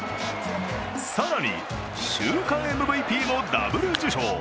更に、週間ＭＶＰもダブル受賞。